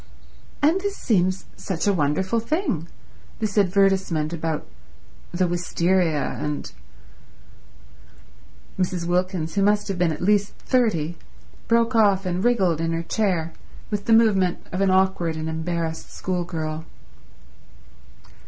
"And this seems such a wonderful thing—this advertisement about the wisteria—and—" Mrs. Wilkins, who must have been at least thirty, broke off and wriggled in her chair with the movement of an awkward and embarrassed schoolgirl.